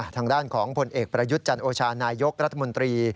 ทางด้านของผลเอกประยุทธ์จันโอชานายกรัฐมนตรี